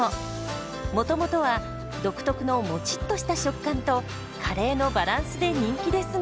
もともとは独特のモチッとした食感とカレーのバランスで人気ですが。